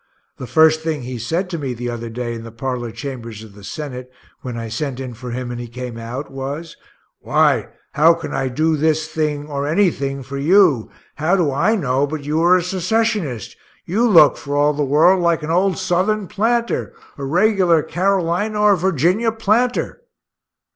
The first thing he said to me the other day in the parlor chambers of the Senate, when I sent in for him and he came out, was, "Why, how can I do this thing, or any thing for you how do I know but you are a Secessionist? You look for all the world like an old Southern planter a regular Carolina or Virginia planter."